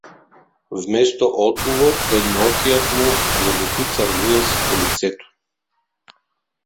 Вместо отговор едноокият му залепи цървула си по лицето.